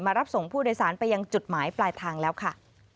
รับส่งผู้โดยสารไปยังจุดหมายปลายทางแล้วค่ะ